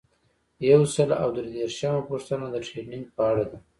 یو سل او درې دیرشمه پوښتنه د ټریننګ په اړه ده.